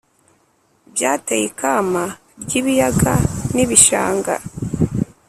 byateye ikama ry’ibiyaga n’ibishanga.